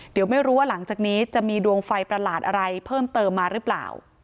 เดี๋ยวไม่รู้ว่าหลังจากนี้จะมีดวงไฟประหลาดอะไรเพิ่มเติมมาหรือเปล่า